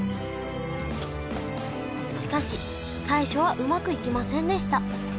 しかし最初はうまくいきませんでした。